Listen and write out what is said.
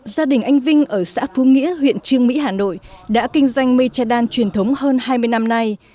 gia đình anh vinh ở xã phú nghĩa huyện trương mỹ hà nội đã kinh doanh mây che đan truyền thống hơn hai mươi năm nay